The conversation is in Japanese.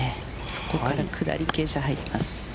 そこから下り傾斜に入ります。